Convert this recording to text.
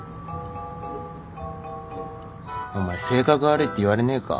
お前性格悪いって言われねえか？